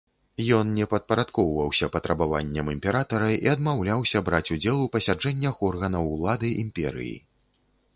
Ён не падпарадкоўваўся патрабаванням імператара і адмаўляўся браць удзел у пасяджэннях органаў улады імперыі.